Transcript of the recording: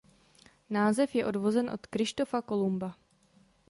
Název je odvozen od Kryštofa Kolumba.